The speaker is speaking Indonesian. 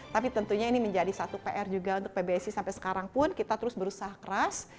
tapi tentunya ini menjadi satu pr juga untuk pbsi sampai sekarang pun kita terus berusaha keras